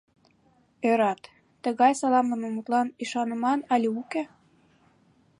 Ӧрат, тыгай саламлыме мутлан ӱшаныман але уке?